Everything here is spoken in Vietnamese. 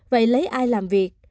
vậy lấy ai làm việc